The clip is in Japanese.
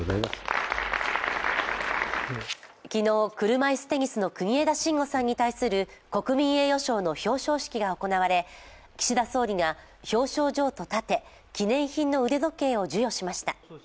昨日、車いすテニスの国枝慎吾さんに対する国民栄誉賞の表彰式が行われ岸田総理が表彰状と盾、記念品の腕時計を授与しました。